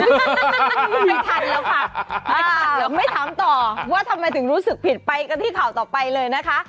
ถ้าเพิ่งไม่ถามต่อว่าทำไมถึงรู้สึกผิดไปกันที่ข่าวต่อไปเลยนะคะ